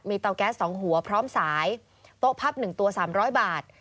เตาแก๊ส๒หัวพร้อมสายโต๊ะพับ๑ตัว๓๐๐บาท